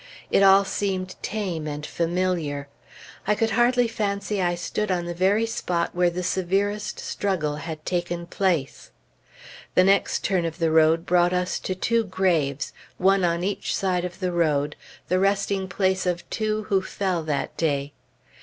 It all seemed tame and familiar. I could hardly fancy I stood on the very spot where the severest struggle had taken place. The next turn of the road brought us to two graves, one on each side of the road, the resting place of two who fell that day.